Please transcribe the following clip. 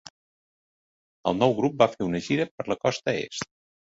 El nou grup va fer una gira per la Costa Est.